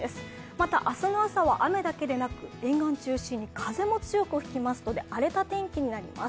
また、明日の朝は雨だけでなく、沿岸中心に風も強く吹きますので、荒れた天気になります。